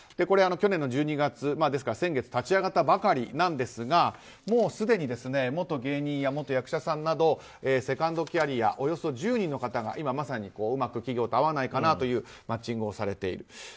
これ、去年の１２月、先月立ち上がったばかりなんですがもうすでに元芸人や元役者さんなどセカンドキャリアおよそ１０人の方がうまく企業と合わないかなというマッチングをされている。